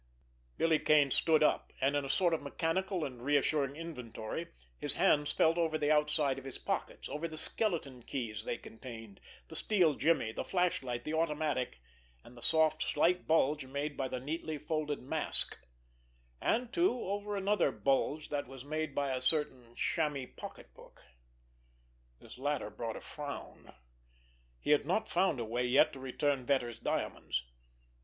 Billy Kane stood up; and, in a sort of mechanical and reassuring inventory, his hands felt over the outside of his pockets, over the skeleton keys they contained, the steel jimmy, the flashlight, the automatic, and the soft, slight bulge made by the neatly folded mask—and, too, over another bulge that was made by a certain chamois pocketbook. This latter brought a frown. He had not found a way yet to return Vetter's diamonds.